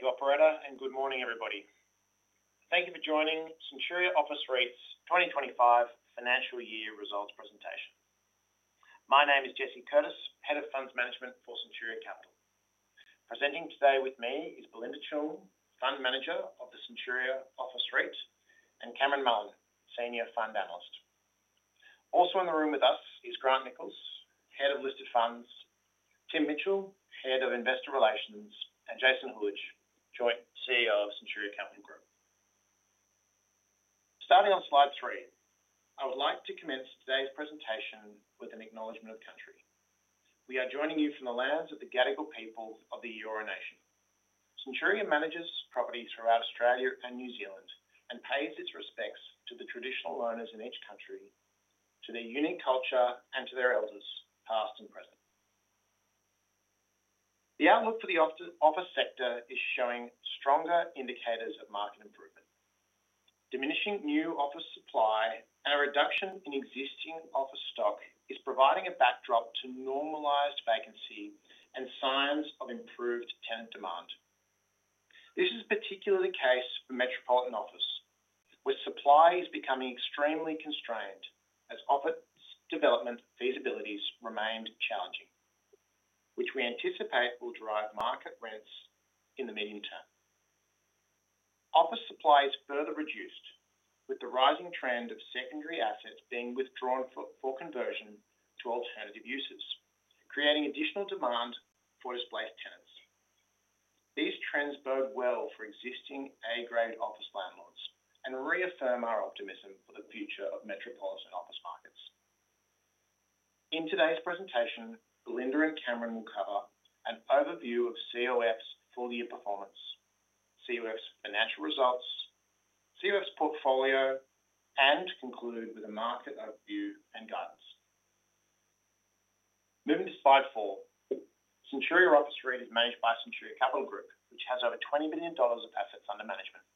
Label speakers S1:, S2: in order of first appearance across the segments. S1: Thank you, operator, and good morning, everybody. Thank you for joining Centuria Office REIT's 2025 Financial Year Results Presentation. My name is Jesse Curtis, Head of Funds Management for Centuria Capital. Presenting today with me is Belinda Cheung, Fund Manager of the Centuria Office REIT, and Cameron Mullen, Senior Fund Analyst. Also in the room with us is Grant Nichols, Head of Listed Funds, Tim Mitchell, Head of Investor Relations, and Jason Huljich, Joint CEO of Centuria Capital. Starting on slide three, I would like to commence today's presentation with an acknowledgement of country. We are joining you from the lands of the Gadigal people of the Eora Nation. Centuria manages properties throughout Australia and New Zealand and pays its respects to the traditional owners in each country, to their unique culture, and to their elders, past and present. The outlook for the office sector is showing stronger indicators of market improvement. Diminishing new office supply and a reduction in existing office stock is providing a backdrop to normalized vacancy and signs of improved tenant demand. This is particularly the case for Metropolitan Office, where supply is becoming extremely constrained as office development feasibilities remain challenging, which we anticipate will drive market rents in the medium term. Office supply is further reduced, with the rising trend of secondary assets being withdrawn for conversion to alternative uses, creating additional demand for displaced tenants. These trends bode well for existing A-grade office landlords and reaffirm our optimism for the future of Metropolitan office markets. In today's presentation, Belinda and Cameron will cover an overview of COF's full-year performance, COF's financial results, COF's portfolio, and conclude with a market overview and guidance. Moving to slide four, Centuria Office REIT is managed by Centuria Capital Group, which has over $20 billion of assets under management.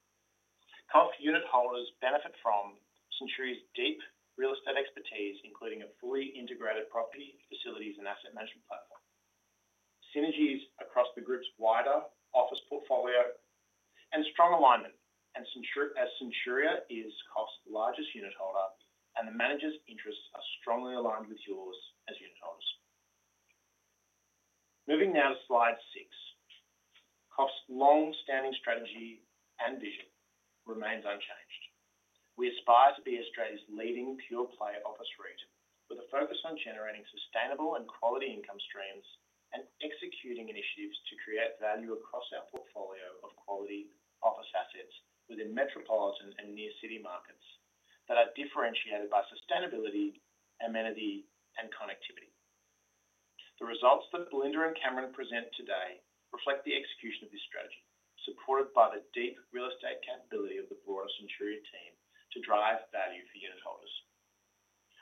S1: COF unit holders benefit from Centuria's deep real estate expertise, including a fully integrated property, facilities, and asset management platform. Synergies across the group's wider office portfolio and strong alignment, as Centuria is COF's largest unit holder, and the manager's interests are strongly aligned with yours as unit holders. Moving now to slide six, COF's long-standing strategy and vision remain unchanged. We aspire to be Australia's leading pure-play office REIT, with a focus on generating sustainable and quality income streams and executing initiatives to create value across our portfolio of quality office assets within metropolitan and near-city markets that are differentiated by sustainability, amenity, and connectivity. The results that Belinda and Cameron present today reflect the execution of this strategy, supported by the deep real estate capability of the broader Centuria team to drive value for unit holders.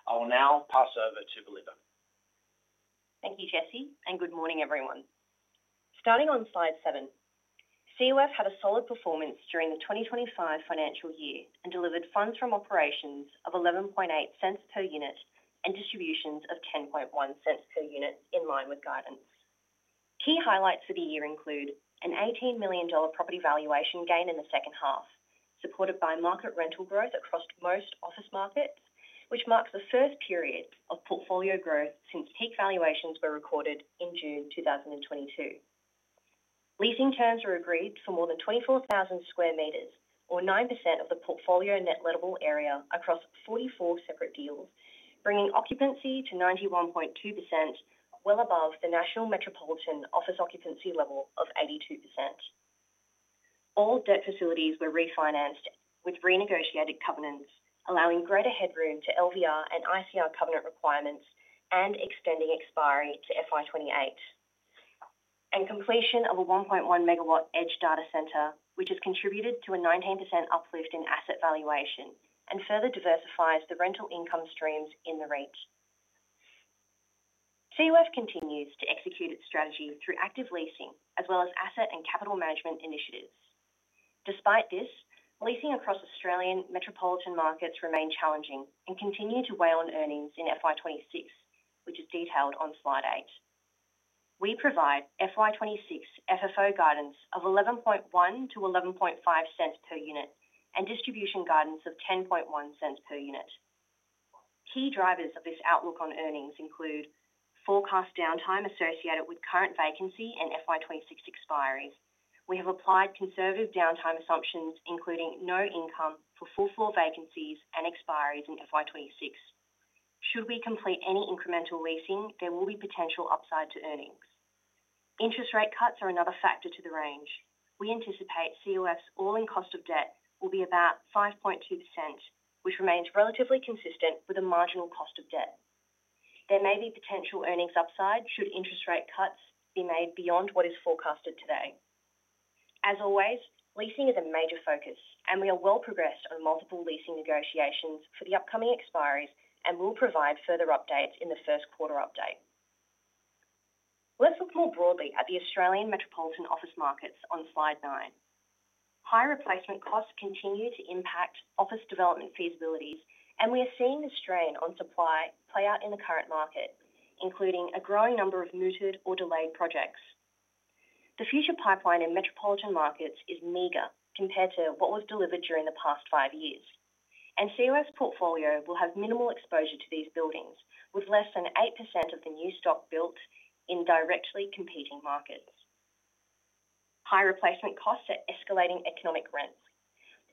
S1: I will now pass over to Belinda.
S2: Thank you, Jesse, and good morning, everyone. Starting on slide seven, COF had a solid performance during the 2025 financial year and delivered funds from operations of $0.118 per unit and distributions of $0.101 per unit, in line with guidance. Key highlights for the year include an $18 million property valuation gain in the second half, supported by market rental growth across most office markets, which marks the first period of portfolio growth since peak valuations were recorded in June 2022. Leasing terms were agreed for more than 24,000 square meters, or 9% of the portfolio net lettable area across 44 separate deals, bringing occupancy to 91.2%, well above the National Metropolitan Office occupancy level of 82%. All debt facilities were refinanced with renegotiated covenants, allowing greater headroom to LVR and ICR covenant requirements and extending expiry to FY 2028, and completion of a 1.1 MW edge data centre, which has contributed to a 19% uplift in asset valuation and further diversifies the rental income streams in the REIT. COF continues to execute its strategy through active leasing, as well as asset and capital management initiatives. Despite this, leasing across Australian metropolitan markets remains challenging and continues to weigh on earnings in FY 2026, which is detailed on slide eight. We provide FY 2026 FFO guidance of $0.111-$0.115 per unit and distribution guidance of $0.101 per unit. Key drivers of this outlook on earnings include forecast downtime associated with current vacancy and FY 2026 expiry. We have applied conservative downtime assumptions, including no income for full-floor vacancies and expiry in FY 2026. Should we complete any incremental leasing, there will be potential upside to earnings. Interest rate cuts are another factor to the range. We anticipate COF's all-in cost of debt will be about 5.2%, which remains relatively consistent with a marginal cost of debt. There may be potential earnings upside should interest rate cuts be made beyond what is forecasted today. As always, leasing is a major focus, and we are well progressed on multiple leasing negotiations for the upcoming expiry and will provide further updates in the first quarter update. Let's look more broadly at the Australian metropolitan office markets on slide nine. High replacement costs continue to impact office development feasibilities, and we are seeing the strain on supply play out in the current market, including a growing number of mooted or delayed projects. The future pipeline in metropolitan markets is meager compared to what was delivered during the past five years, and COF's portfolio will have minimal exposure to these buildings, with less than 8% of the new stock built in directly competing markets. High replacement costs are escalating economic rents,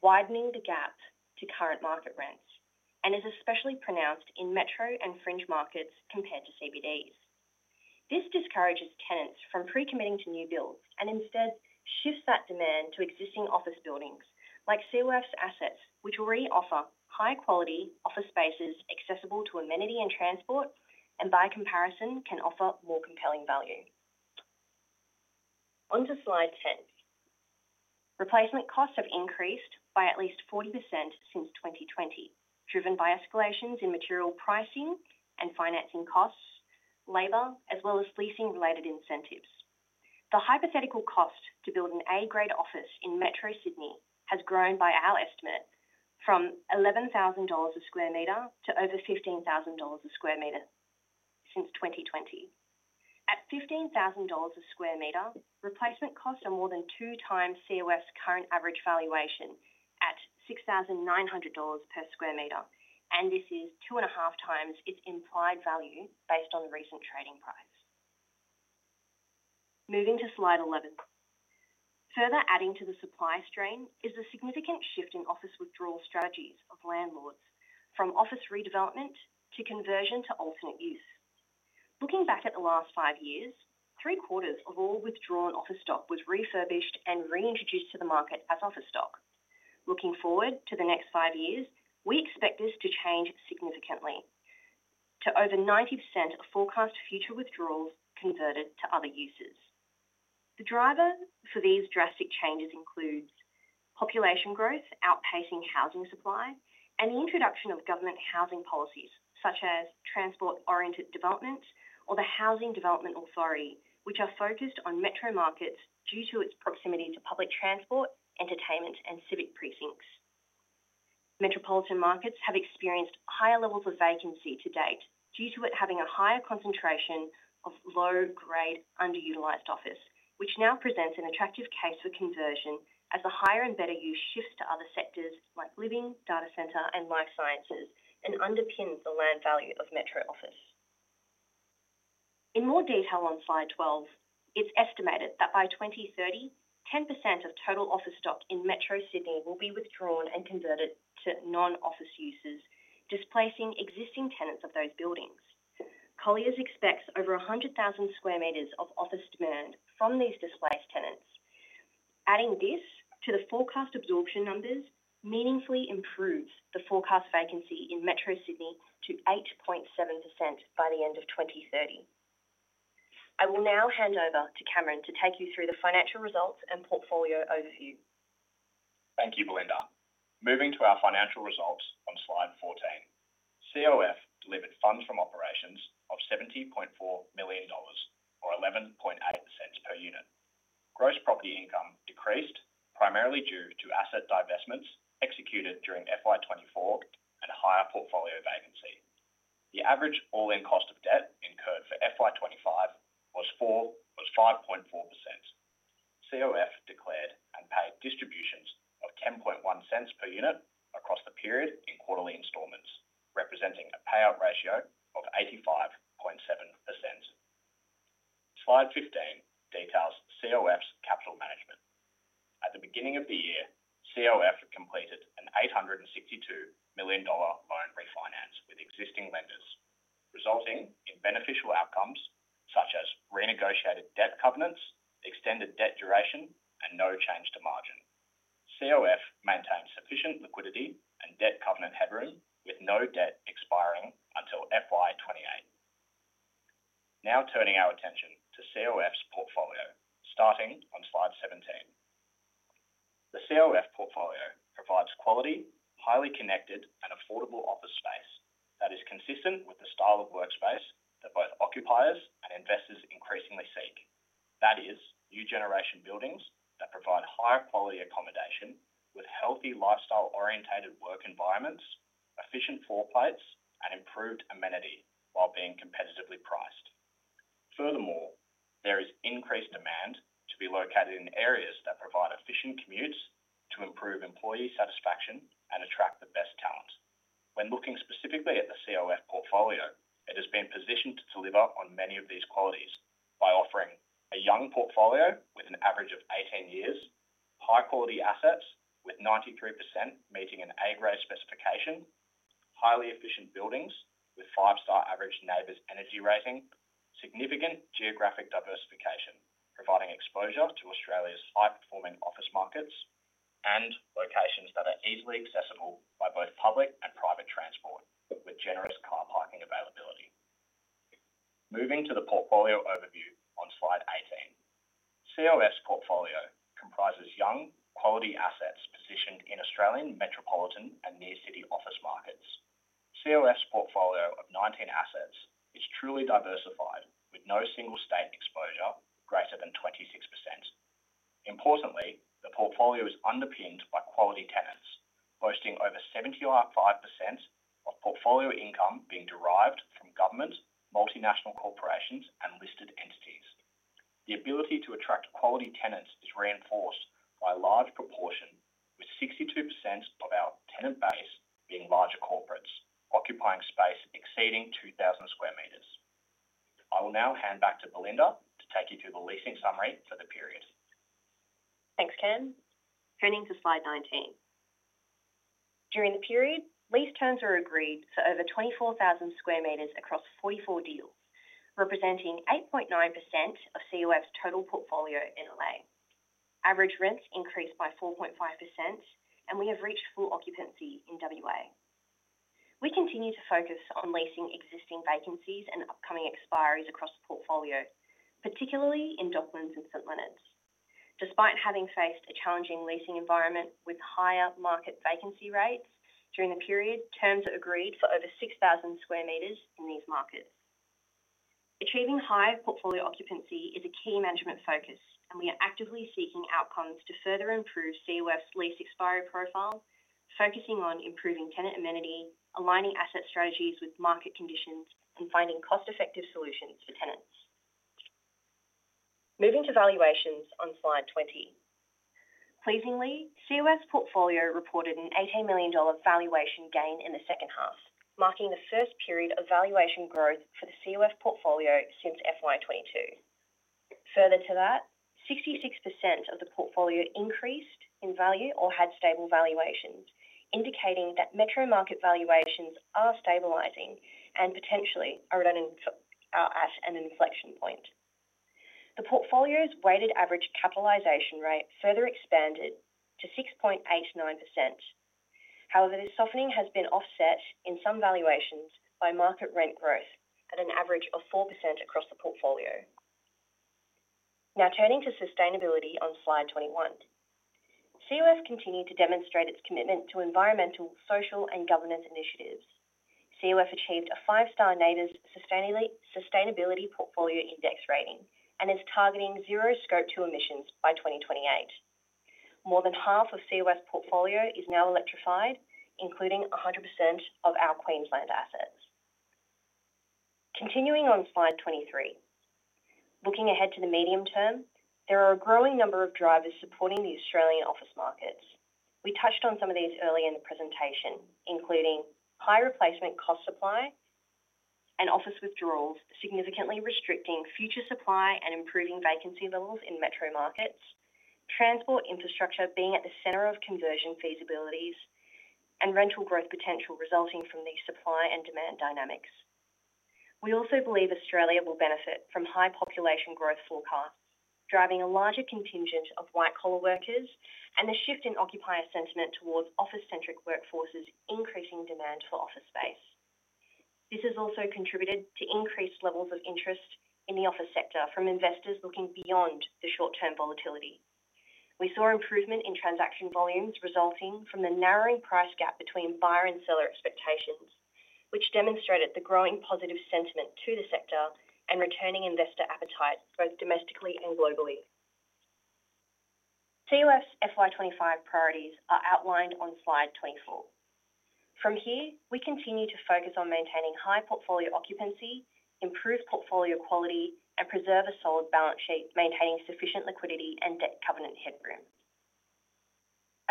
S2: widening the gap to current market rents, and are especially pronounced in metro and fringe markets compared to CBDs. This discourages tenants from pre-committing to new builds and instead shifts that demand to existing office buildings, like COF's assets, which will re-offer high-quality office spaces accessible to amenity and transport, and by comparison can offer more compelling value. Onto slide ten. Replacement costs have increased by at least 40% since 2020, driven by escalations in material pricing and financing costs, labor, as well as leasing-related incentives. The hypothetical cost to build an A-grade office in Metro Sydney has grown by our estimate from $11,000 a square meter to over $15,000 a square meter since 2020. At $15,000 a square meter, replacement costs are more than 2x COF's current average valuation at $6,900 per square meter, and this is 2.5x its implied value based on the recent trading price. Moving to slide 11. Further adding to the supply strain is the significant shift in office withdrawal strategies of landlords from office redevelopment to conversion to alternate use. Looking back at the last five years, three quarters of all withdrawn office stock was refurbished and reintroduced to the market as office stock. Looking forward to the next five years, we expect this to change significantly to over 90% of forecast future withdrawals converted to other uses. The driver for these drastic changes includes population growth outpacing housing supply and the introduction of government housing policies such as transport-oriented developments or the Housing Development Authority, which are focused on metro markets due to its proximity to public transport, entertainment, and civic precincts. Metropolitan markets have experienced higher levels of vacancy to date due to it having a higher concentration of low-grade, underutilized office, which now presents an attractive case for conversion as the higher and better use shifts to other sectors like living, data centre, and life sciences and underpins the land value of metro office. In more detail on slide 12, it's estimated that by 2030, 10% of total office stock in Metro Sydney will be withdrawn and converted to non-office uses, displacing existing tenants of those buildings. Colliers expects over 100,000 square meters of office demand from these displaced tenants. Adding this to the forecast absorption numbers meaningfully improves the forecast vacancy in Metro Sydney to 8.7% by the end of 2030. I will now hand over to Cameron to take you through the financial results and portfolio overview.
S3: Thank you, Belinda. Moving to our financial results on slide 14, COF delivered funds from operations of $70.4 million or $0.118 per unit. Gross property income decreased primarily due to asset divestments executed during FY 2024 and a higher portfolio vacancy. The average all-in cost of debt incurred for FY 2025 was 5.4%. COF declared and paid distributions of $0.101 per unit across the period in quarterly installments, representing a payout ratio of 85.7%. Slide 15 details COF's capital management. At the beginning of the year, COF completed an $862 million loan refinance with existing lenders, resulting in beneficial outcomes such as renegotiated debt covenants, extended debt duration, and no change to margin. COF maintains sufficient liquidity and debt covenant headroom with no debt expiring until FY 2028. Now turning our attention to COF's portfolio, starting on slide 17. The COF portfolio provides quality, highly connected, and affordable office space that is consistent with the style of workspace that both occupiers and investors increasingly seek. That is, new generation buildings that provide higher quality accommodation with healthy lifestyle-oriented work environments, efficient floor plates, and improved amenity while being competitively priced. Furthermore, there is increased demand to be located in areas that provide efficient commutes to improve employee satisfaction and attract the best talent. When looking specifically at the COF portfolio, it has been positioned to deliver on many of these qualities by offering a young portfolio with an average of 18 years, high-quality assets with 93% meeting an A-grade specification, highly efficient buildings with five-star average NABERS energy rating, significant geographic diversification providing exposure to Australia's high-performing office markets, and locations that are easily accessible by both public and private transport with generous car parking availability. Moving to the portfolio overview on slide 18, COF's portfolio comprises young, quality assets positioned in Australian metropolitan and near-city office markets. COF's portfolio of 19 assets is truly diversified with no single state exposure greater than 26%. Importantly, the portfolio is underpinned by quality tenants, boasting over 75% of portfolio income being derived from government, multinational corporations, and listed entities. The ability to attract quality tenants is reinforced by a large proportion, with 62% of our tenant base being larger corporates occupying space exceeding 2,000 square meters. I will now hand back to Belinda to take you through the leasing summary for the period.
S2: Thanks, Ken. Turning to slide 19. During the period, lease terms were agreed for over 24,000 square meters across 44 deals, representing 8.9% of COF's total portfolio in Australia. Average rents increased by 4.5%, and we have reached full occupancy in Western Australia. We continue to focus on leasing existing vacancies and upcoming expiry across the portfolio, particularly in Docklands and St. Leonards. Despite having faced a challenging leasing environment with higher market vacancy rates during the period, terms are agreed for over 6,000 square meters in these markets. Achieving high portfolio occupancy is a key management focus, and we are actively seeking outcomes to further improve COF's lease expiry profile, focusing on improving tenant amenity, aligning asset strategies with market conditions, and finding cost-effective solutions for tenants. Moving to valuations on slide 20. Pleasingly, COF's portfolio reported an $18 million valuation gain in the second half, marking the first period of valuation growth for the COF portfolio since FY 2022. Further to that, 66% of the portfolio increased in value or had stable valuations, indicating that metro market valuations are stabilizing and potentially are at an inflection point. The portfolio's weighted average capitalization rate further expanded to 6.89%. However, this softening has been offset in some valuations by market rent growth at an average of 4% across the portfolio. Now turning to sustainability on slide 21. COF continued to demonstrate its commitment to environmental, social, and governance initiatives. COF achieved a five-star NABERS Sustainability Portfolio Index rating and is targeting zero scope 2 emissions by 2028. More than half of COF's portfolio is now electrified, including 100% of our Queensland assets. Continuing on slide 23. Looking ahead to the medium term, there are a growing number of drivers supporting the Australian office markets. We touched on some of these earlier in the presentation, including high replacement cost supply and office withdrawals significantly restricting future supply and improving vacancy levels in metro markets, transport infrastructure being at the center of conversion feasibilities, and rental growth potential resulting from these supply and demand dynamics. We also believe Australia will benefit from high population growth forecast, driving a larger contingent of white-collar workers and the shift in occupier sentiment towards office-centric workforces increasing demand for office space. This has also contributed to increased levels of interest in the office sector from investors looking beyond the short-term volatility. We saw improvement in transaction volumes resulting from the narrowing price gap between buyer and seller expectations, which demonstrated the growing positive sentiment to the sector and returning investor appetite both domestically and globally. COF's FY 2025 priorities are outlined on slide 24. From here, we continue to focus on maintaining high portfolio occupancy, improve portfolio quality, and preserve a solid balance sheet, maintaining sufficient liquidity and debt covenant headroom.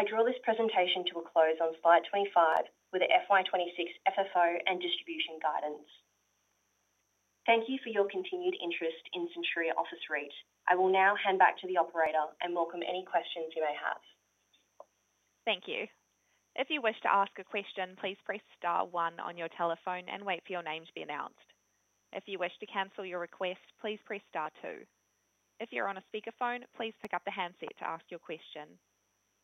S2: I draw this presentation to a close on slide 25 with the FY 2026 FFO and distribution guidance. Thank you for your continued interest in Centuria Office REIT. I will now hand back to the operator and welcome any questions you may have.
S4: Thank you. If you wish to ask a question, please press star one on your telephone and wait for your name to be announced. If you wish to cancel your request, please press star two. If you're on a speakerphone, please pick up the handset to ask your question.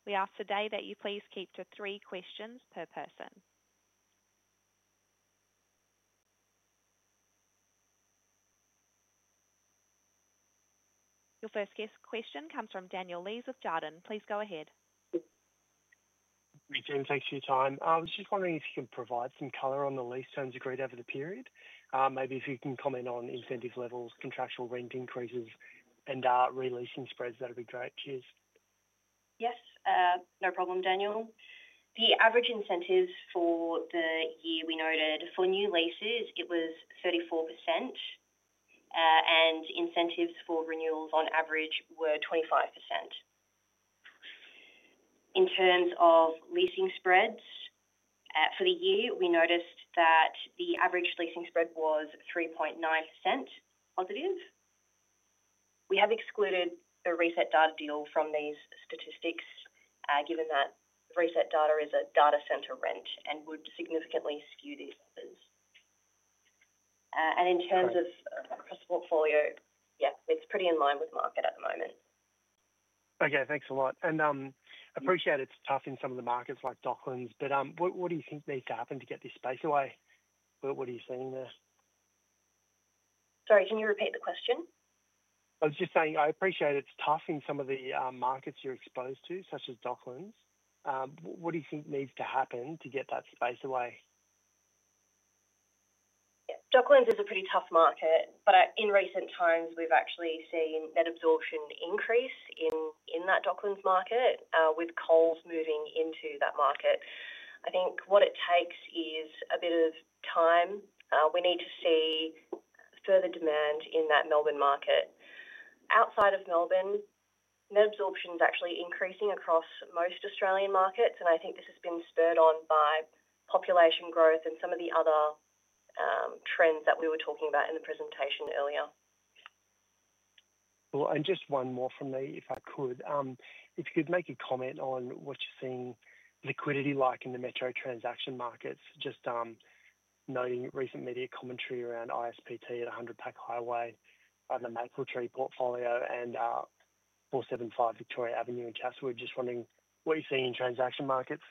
S4: We ask today that you please keep to three questions per person. Your first question comes from Daniel Lees of Jarden. Please go ahead.
S5: Thanks, James. Thanks for your time. I was just wondering if you can provide some color on the lease terms agreed over the period. Maybe if you can comment on incentive levels, contractual rent increases, and releasing spreads, that would be great. Cheers.
S2: Yes, no problem, Daniel. The average incentives for the year we noted for new leases, it was 34%, and incentives for renewals on average were 25%. In terms of leasing spreads for the year, we noticed that the average leasing spread was 3.9% positive. We have excluded the ResetData deal from these statistics, given that the ResetData is a data centre rent and would significantly skew these numbers. In terms of across the portfolio, yeah, it's pretty in line with market at the moment.
S5: Okay, thanks a lot. I appreciate it's tough in some of the markets like Docklands, but what do you think needs to happen to get this space away? What are you saying there?
S2: Sorry, can you repeat the question?
S5: I was just saying I appreciate it's tough in some of the markets you're exposed to, such as Docklands. What do you think needs to happen to get that space away?
S2: Docklands is a pretty tough market, but in recent times we've actually seen that absorption increase in that Docklands market with COFs moving into that market. I think what it takes is a bit of time. We need to see further demand in that Melbourne market. Outside of Melbourne, net absorption is actually increasing across most Australian markets, and I think this has been spurred on by population growth and some of the other trends that we were talking about in the presentation earlier.
S5: Just one more from me, if I could. If you could make a comment on what you're seeing liquidity like in the metro transaction markets, just noting recent media commentary around ISPT at 100 Peck Highway, the Mapletree portfolio, and 475 Victoria Avenue in Castlewood, just wondering what you're seeing in transaction markets.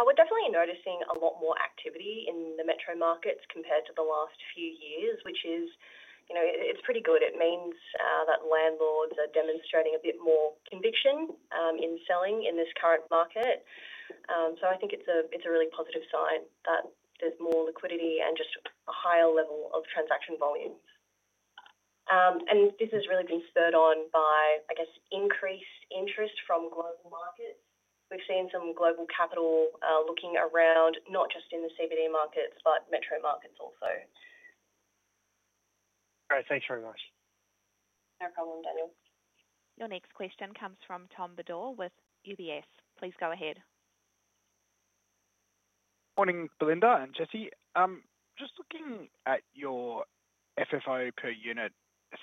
S2: We're definitely noticing a lot more activity in the metro markets compared to the last few years, which is pretty good. It means that landlords are demonstrating a bit more conviction in selling in this current market. I think it's a really positive sign that there's more liquidity and just a higher level of transaction volume. This has really been spurred on by increased interest from the global market. We've seen some global capital looking around, not just in the CBD markets, but metro markets also.
S5: Great, thanks very much.
S2: No problem, Daniel.
S4: Your next question comes from Tom Bodor with UBS. Please go ahead.
S6: Morning, Belinda and Jesse. Just looking at your FFO per unit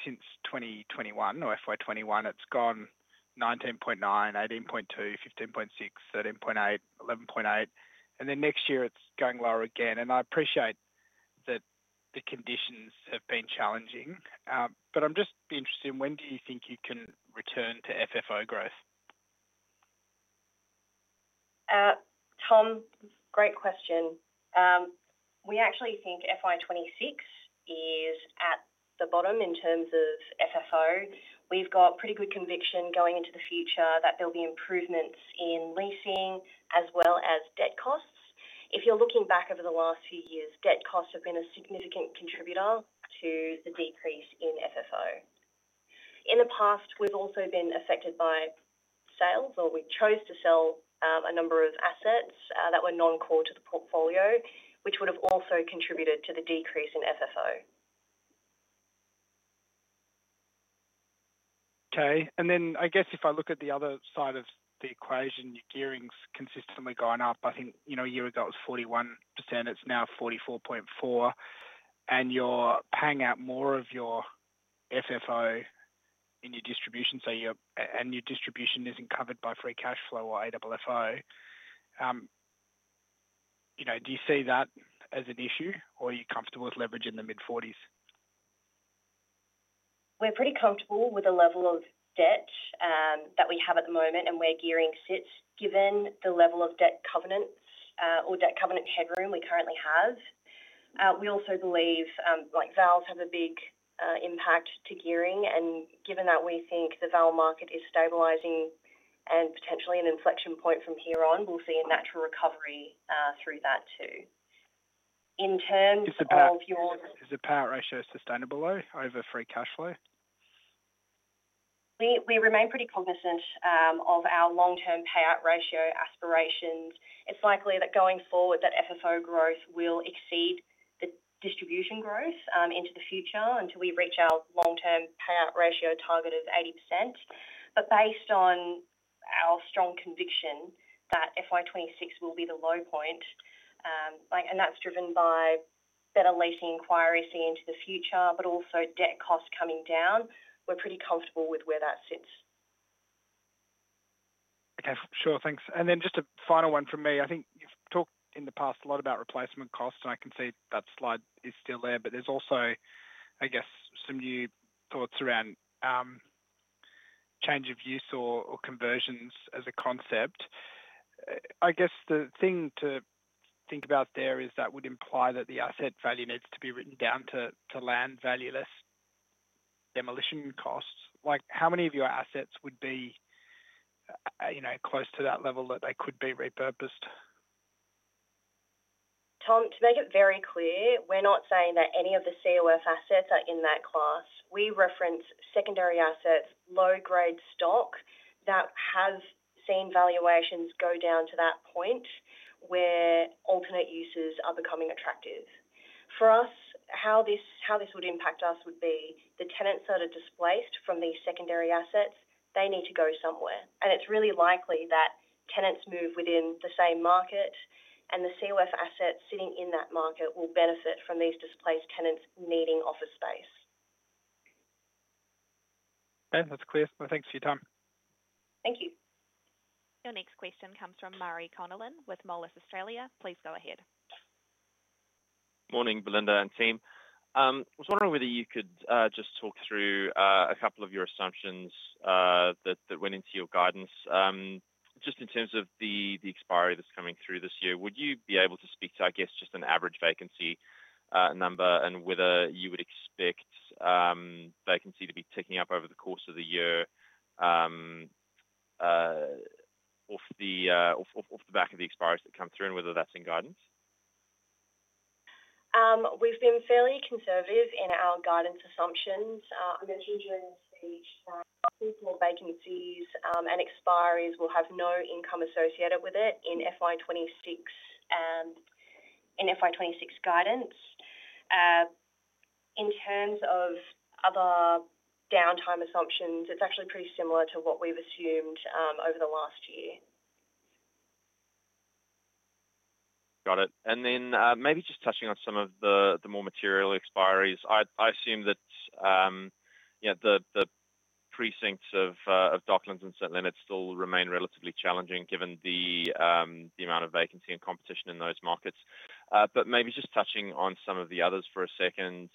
S6: since 2021, or FY 2021, it's gone $0.199, $0.182, $0.156, $0.138, $0.118, and next year it's going lower again. I appreciate that the conditions have been challenging, but I'm just interested in when do you think you can return to FFO growth?
S2: Tom, great question. We actually think FY 2026 is at the bottom in terms of FFO. We've got pretty good conviction going into the future that there'll be improvements in leasing as well as debt costs. If you're looking back over the last few years, debt costs have been a significant contributor to the decrease in FFO. In the past, we've also been affected by sales, or we chose to sell a number of assets that were non-core to the portfolio, which would have also contributed to the decrease in FFO.
S6: Okay, and then I guess if I look at the other side of the equation, your gearing's consistently going up. I think, you know, a year ago it was 41%, it's now 44.4%, and you're paying out more of your FFO in your distribution, so your distribution isn't covered by free cash flow or AFFO. You know, do you see that as an issue, or are you comfortable with leveraging the mid-40%?
S2: We're pretty comfortable with the level of debt that we have at the moment and where gearing sits, given the level of debt covenant headroom we currently have. We also believe VALs have a big impact to gearing, and given that we think the VAL market is stabilizing and potentially an inflection point from here on, we'll see a natural recovery through that too.
S6: Is the payout ratio sustainable though, over free cash flow?
S2: We remain pretty cognisant of our long-term payout ratio aspirations. It's likely that going forward FFO growth will exceed the distribution growth into the future until we reach our long-term payout ratio target of 80%. Based on our strong conviction that FY 2026 will be the low point, and that's driven by better leasing inquiries seen into the future, but also debt costs coming down, we're pretty comfortable with where that sits.
S6: Okay, sure, thanks. Just a final one from me. I think you've talked in the past a lot about replacement costs, and I can see that slide is still there, but there's also, I guess, some new thoughts around change of use or conversions as a concept. The thing to think about there is that would imply that the asset value needs to be written down to land value less demolition costs. How many of your assets would be, you know, close to that level that they could be repurposed?
S2: Tom, to make it very clear, we're not saying that any of the COF assets are in that class. We reference secondary assets, low-grade stock that have seen valuations go down to that point where alternate uses are becoming attractive. For us, how this would impact us would be the tenants that are displaced from these secondary assets, they need to go somewhere. It's really likely that tenants move within the same market, and the COF assets sitting in that market will benefit from these displaced tenants needing office space.
S6: Okay, that's clear. Thanks for your time.
S2: Thank you.
S4: Your next question comes from Mari Connolly with Moelis Australia. Please go ahead.
S7: Morning, Belinda and team. I was wondering whether you could just talk through a couple of your assumptions that went into your guidance. Just in terms of the expiry that's coming through this year, would you be able to speak to, I guess, just an average vacancy number and whether you would expect vacancy to be ticking up over the course of the year off the back of the expiry that come through and whether that's in guidance?
S2: We've been fairly conservative in our guidance assumptions. I'm going to hear you speak, some people, vacancies, and expiry will have no income associated with it in FY 2026 and in FY 2026 guidance. In terms of other downtime assumptions, it's actually pretty similar to what we've assumed over the last year.
S7: Got it. Maybe just touching on some of the more material expiry, I assume that the precincts of Docklands and St. Leonards still remain relatively challenging given the amount of vacancy and competition in those markets. Maybe just touching on some of the others for a second,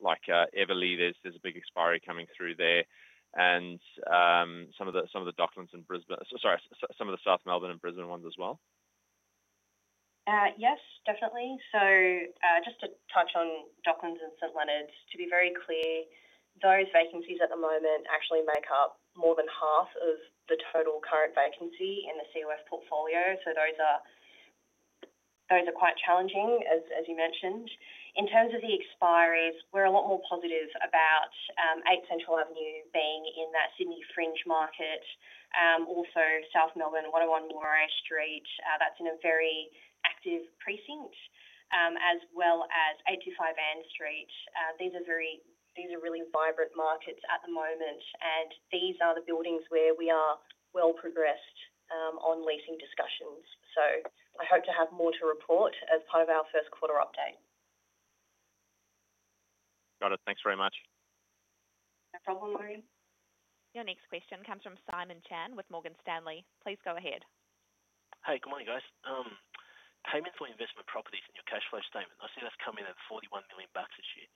S7: like Everleigh, there's a big expiry coming through there and some of the Docklands and Brisbane, sorry, some of the South Melbourne and Brisbane ones as well.
S2: Yes, definitely. Just to touch on Docklands and St. Leonards, to be very clear, those vacancies at the moment actually make up more than half of the total current vacancy in the COF portfolio. Those are quite challenging, as you mentioned. In terms of the expiry, we're a lot more positive about 8 Central Avenue being in that Sydney Fringe market, also South Melbourne, 101 Murray Street, that's in a very active precinct, as well as 825 Anne Street. These are really vibrant markets at the moment, and these are the buildings where we are well progressed on leasing discussions. I hope to have more to report as part of our first quarter update.
S7: Got it. Thanks very much.
S2: No problem, Mari.
S4: Your next question comes from Simon Chan with Morgan Stanley. Please go ahead.
S8: Hey, good morning, guys. Payments for investment properties in your cash flow statement, I see that's coming in at $41 million this year.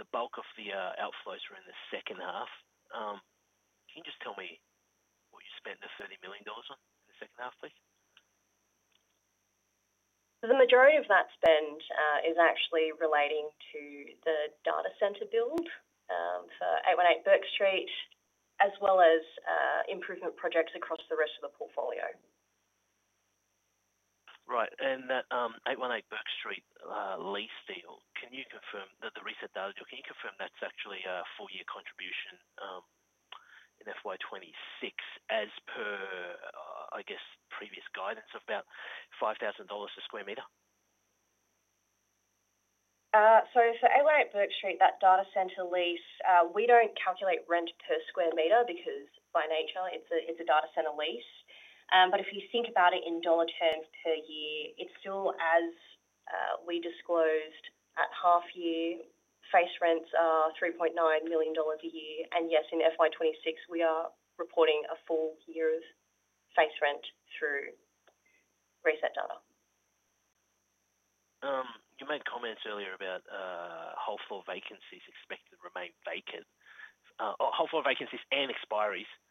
S8: The bulk of the outflows are in the second half. Can you just tell me what you spent the $30 million on in the second half, please?
S2: The majority of that spend is actually relating to the data centre build for 818 Bourke Street, as well as improvement projects across the rest of the portfolio.
S8: Right. That 818 Bourke Street lease deal, can you confirm that the ResetData deal, can you confirm that's actually a four-year contribution in FY 20 26 as per, I guess, previous guidance of about $5,000 a square meter?
S2: For 818 Bourke Street, that data centre lease, we don't calculate rent per square metre because by nature it's a data centre lease. If you think about it in dollar terms per year, it's still, as we disclosed, at half-year face rents are $3.9 million a year. Yes, in FY 2026, we are reporting a full year of face rent through ResetData.
S8: You made comments earlier about whole floor vacancies expected to remain vacant, whole floor vacancies and expiry expected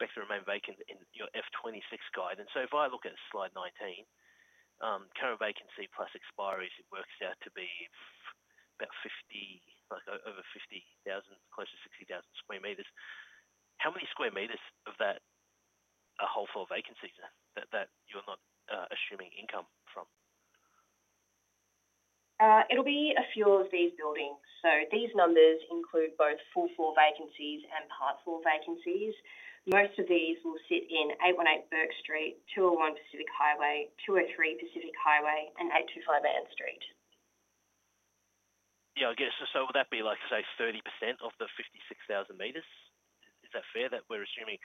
S8: to remain vacant in your FY 2026 guidance. If I look at slide 19, current vacancy plus expiry, it works out to be about 50, like over 50,000, close to 60,000 square meters. How many square meters of that are whole floor vacancies that you're not assuming income from?
S2: It'll be a few of these buildings. These numbers include both full floor vacancies and part floor vacancies. Most of these will sit in 818 Bourke Street, 201 Pacific Highway, 203 Pacific Highway, and 825 Ann Street.
S8: Yeah, I guess. Would that be, like I say, 30% of the 56,000 meters? Is that fair that we're assuming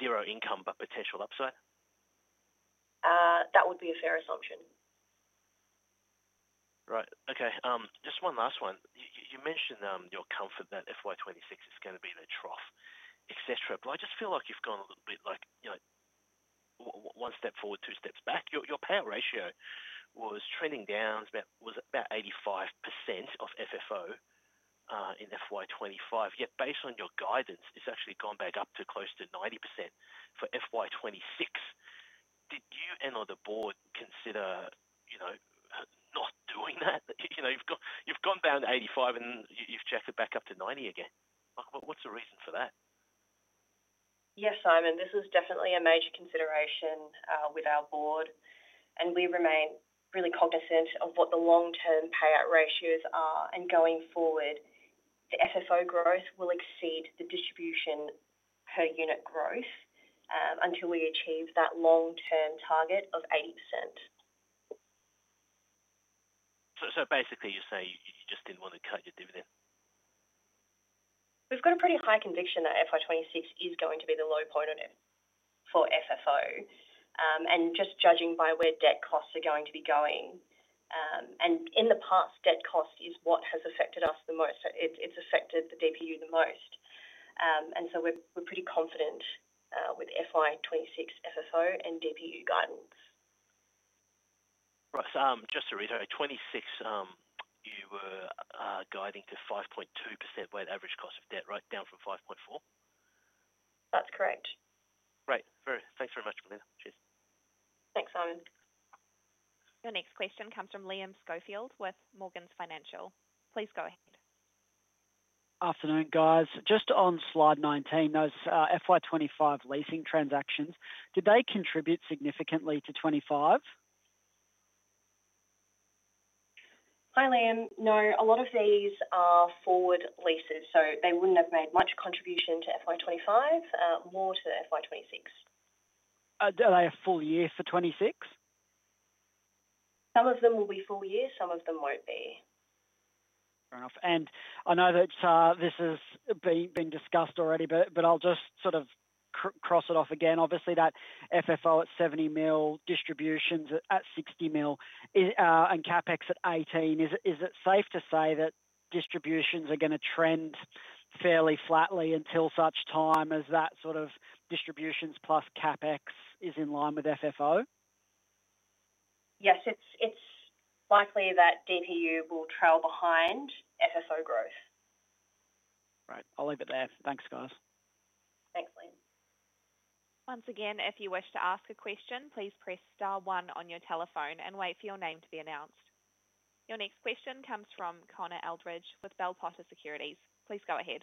S8: zero income but potential upside?
S2: That would be a fair assumption.
S8: Right. Okay. Just one last one. You mentioned your comfort that FY 2026 is going to be the trough, et cetera. I just feel like you've gone a little bit, you know, one step forward, two steps back. Your payout ratio was trending down to about 85% of FFO in FY 2025, yet based on your guidance, it's actually gone back up to close to 90% for FY 2026. Did you and/or the board consider, you know, not doing that? You know, you've gone down to 85% and you've jacked it back up to 90% again. What's the reason for that?
S2: Yes, Simon, this is definitely a major consideration with our board, and we remain really cognisant of what the long-term payout ratios are. Going forward, the FFO growth will exceed the distribution per unit growth until we achieve that long-term target of 80%.
S8: You say you just didn't want to cut your dividend.
S2: We've got a pretty high conviction that FY 2026 is going to be the low point on it for FFO, just judging by where debt costs are going to be going. In the past, debt cost is what has affected us the most. It's affected the DPU the most. We're pretty confident with FY 2026 FFO and DPU guidance.
S8: Right. Just to reiterate, 2026, you were guiding to 5.2% weighted average cost of debt, right, down from 5.4%?
S2: That's correct.
S8: Great. Thanks very much, Belinda. Cheers.
S2: Thanks, Simon.
S4: Your next question comes from Liam Scofield with Morgan's Financial. Please go ahead.
S9: Afternoon, guys. Just on slide 19, those FY 2025 leasing transactions, do they contribute significantly to 2025?
S2: Hi Liam, no, a lot of these are forward leases, so they wouldn't have made much contribution to FY 2025, more to FY 2026.
S9: Are they a full year for 2026?
S2: Some of them will be full year, some of them won't be.
S9: Fair enough. I know that this has been discussed already, but I'll just sort of cross it off again. Obviously, that FFO at $70 million, distributions at $60 million, and CapEx at $18 million, is it safe to say that distributions are going to trend fairly flatly until such time as that sort of distributions plus CapEx is in line with FFO?
S2: Yes, it's likely that DPU will trail behind FFO growth.
S9: Right. I'll leave it there. Thanks, guys.
S2: Thanks, Liam.
S4: Once again, if you wish to ask a question, please press star one on your telephone and wait for your name to be announced. Your next question comes from Connor Eldridge with Bell Potter Securities. Please go ahead.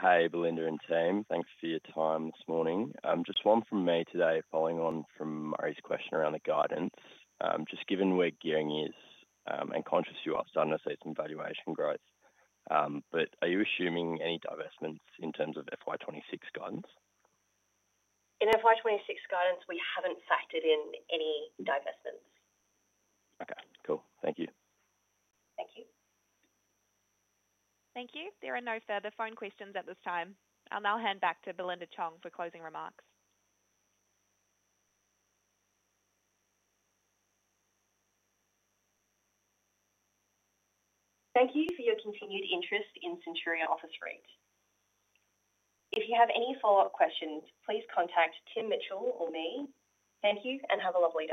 S10: Hey, Belinda and team, thanks for your time this morning. Just one from me today, following on from Mari's question around the guidance. Just given where gearing is, I'm conscious you are starting to see some valuation growth, but are you assuming any divestments in terms of FY 2026 guidance?
S2: In FY 2026 guidance, we haven't factored in any divestments.
S10: Okay, cool. Thank you.
S2: Thank you.
S4: Thank you. There are no further phone questions at this time. I'll hand back to Belinda Cheung for closing remarks.
S2: Thank you for your continued interest in Centuria Office REIT. If you have any follow-up questions, please contact Tim Mitchell or me. Thank you and have a lovely day.